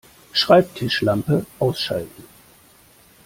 Schreibtischlampe ausschalten